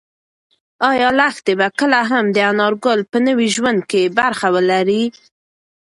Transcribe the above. ایا لښتې به کله هم د انارګل په نوي ژوند کې برخه ولري؟